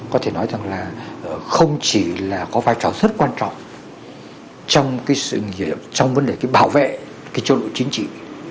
có thể nói rằng là không chỉ là có vai trò rất quan trọng trong vấn đề bảo vệ chỗ đội chính trị